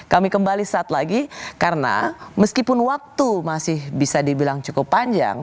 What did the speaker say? kami kembali saat lagi karena meskipun waktu masih bisa dibilang cukup panjang